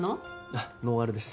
あっノンアルです